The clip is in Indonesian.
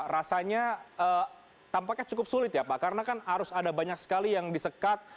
rasanya tampaknya cukup sulit ya pak karena kan harus ada banyak sekali yang disekat